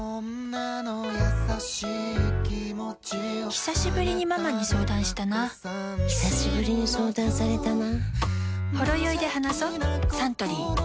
ひさしぶりにママに相談したなひさしぶりに相談されたな